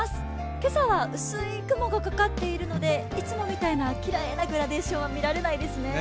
今朝は雨水雲がかかっているので、いつもみたいなきれいなグラデーションは見られないですね。